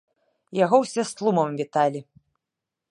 Яго ўсе з тлумам віталі.